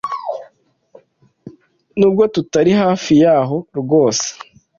Nubwo tutari hafi yaho rwose